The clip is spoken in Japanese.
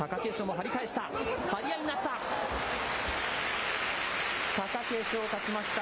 張り合いになった。